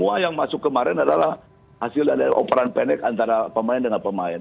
semua yang masuk kemarin adalah hasil dari operan pendek antara pemain dengan pemain